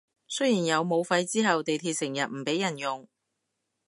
雖然有武肺之後地鐵成日唔畀人用